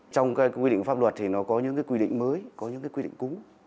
trong cái quy định pháp luật thì nó có những cái quy định mới có những cái quy định cứng